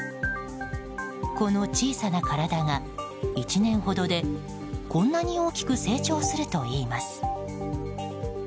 この小さな体が、１年ほどでこんなに大きく成長するといいます。